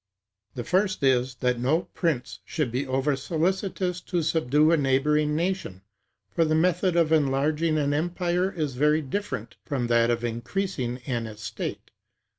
The first is, that no prince should be over solicitous to subdue a neighboring nation; for the method of enlarging an empire is very different from that of increasing an estate.